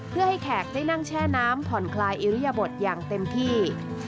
เพื่อให้แขกได้นั่งแช่น้ำผ่อนคลายอิริยบทอย่างเต็มที่